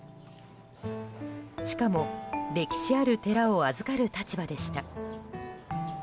しかも歴史ある寺を預かる立場でした。